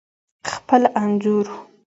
خپل انځور